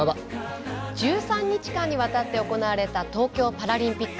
１３日間にわたって行われた東京パラリンピック。